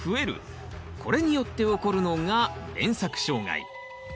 これによって起こるのが連作障害。